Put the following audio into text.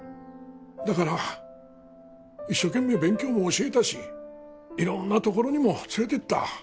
だから一生懸命勉強も教えたしいろんな所にも連れて行った。